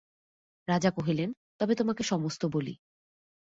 রাজা কহিলেন, তবে তোমাকে সমস্ত বলি।